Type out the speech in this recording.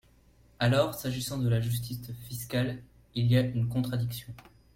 Alors, s’agissant de la justice fiscale, il y a une contradiction.